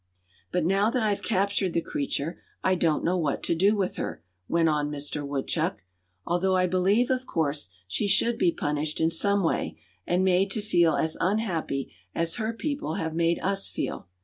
"But now that I've captured the creature, I don't know what to do with her," went on Mister Woodchuck; "although I believe, of course, she should be punished in some way, and made to feel as unhappy as her people have made us feel.